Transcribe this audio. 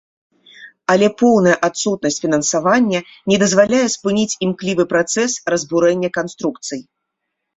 Але поўная адсутнасць фінансавання не дазваляе спыніць імклівы працэс разбурэння канструкцый.